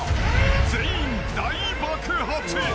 ［全員大爆発］